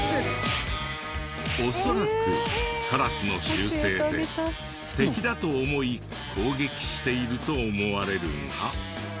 恐らくカラスの習性で敵だと思い攻撃していると思われるが。